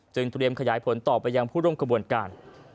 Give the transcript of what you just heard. เตรียมขยายผลต่อไปยังผู้ร่วมขบวนการ